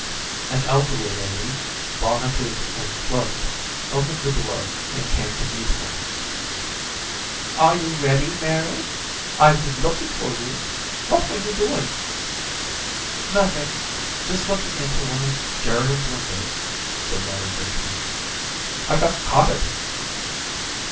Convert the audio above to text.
An elderly lady, bonneted and cloaked, opened the door and came to meet her. "Are you ready, Mary? I've been looking for you. What were you doing?" "Nothing. Just looking into one of Sheridans' windows," said Mary Vertrees. "I got caught at it."